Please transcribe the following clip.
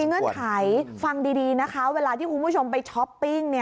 เงื่อนไขฟังดีนะคะเวลาที่คุณผู้ชมไปช้อปปิ้ง